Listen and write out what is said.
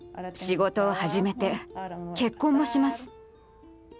仕事を始めて結婚もします。